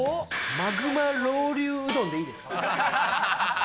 マグマロウリュウうどんでいいですか。